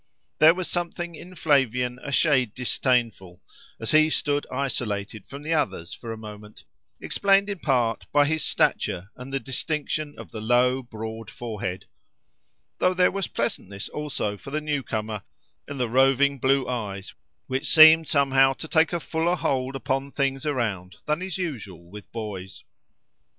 There was something in Flavian a shade disdainful, as he stood isolated from the others for a moment, explained in part by his stature and the distinction of the low, broad forehead; though there was pleasantness also for the newcomer in the roving blue eyes which seemed somehow to take a fuller hold upon things around than is usual with boys.